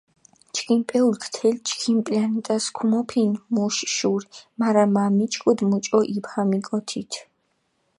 ჩქიმ პეულქ თელ ჩქიმ პლანეტას ქომოფინჷ მუშ შური, მარა მა მიჩქუდჷ მუჭო იბჰამიკო თით.